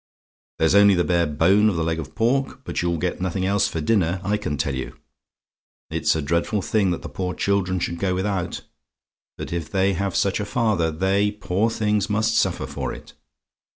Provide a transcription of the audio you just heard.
"There's only the bare bone of the leg of pork! but you'll get nothing else for dinner, I can tell you. It's a dreadful thing that the poor children should go without, but if they have such a father, they, poor things, must suffer for it.